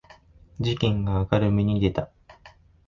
事件が明るみに出た